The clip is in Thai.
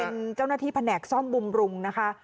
เป็นเจ้าหน้าที่แผนกซ่อมบำรุงนะคะ